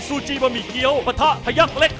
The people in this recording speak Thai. ซูจีบะหมี่เกี้ยวปะทะพยักเล็ก